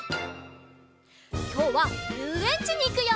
きょうはゆうえんちにいくよ！